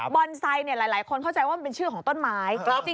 ไซค์หลายคนเข้าใจว่ามันเป็นชื่อของต้นไม้